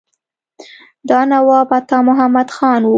دا نواب عطا محمد خان وو.